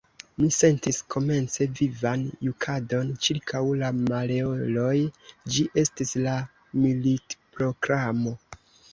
Mi sentis, komence, vivan jukadon ĉirkaŭ la maleoloj: ĝi estis la militproklamo.